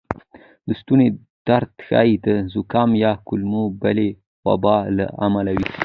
د ستونې درد ښایې د زکام یا کومې بلې وبا له امله وې